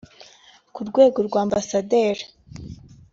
ku rwego rwa Ambasaderi